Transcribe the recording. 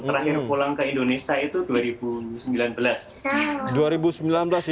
terakhir pulang ke indonesia itu dua ribu sembilan belas